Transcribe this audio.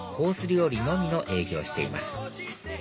料理のみの営業をしています